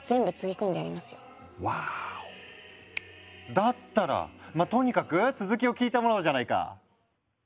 だったらまぁとにかく続きを聞いてもらおうじゃないか。